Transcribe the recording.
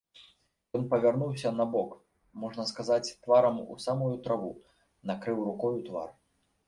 Ён павярнуўся на бок, можна сказаць, тварам у самую траву, накрыў рукою твар.